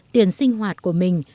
tiền sinh hoạt của mình